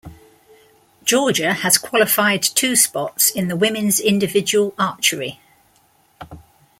Georgia has qualified two spots in the women's individual archery.